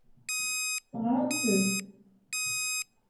Teɣramt-d?